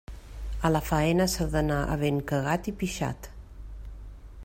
A la faena s'ha d'anar havent cagat i pixat.